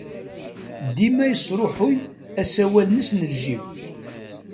Dima yesṛuḥuy asawal-nnes n ljib.